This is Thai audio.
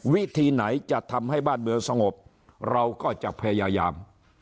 วิธีไหนจะทำให้บ้านเมืองสงบเราก็จะพยายาม